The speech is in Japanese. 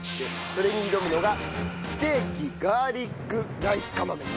それに挑むのがステーキガーリックライス釜飯。